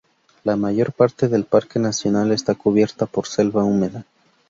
La mayor parte del parque nacional está cubierta por selva húmeda.